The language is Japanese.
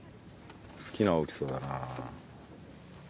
好きな大きさだな。